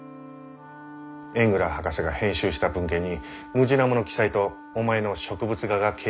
エングラー博士が編集した文献にムジナモの記載とお前の植物画が掲載されていた。